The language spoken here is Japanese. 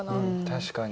確かに。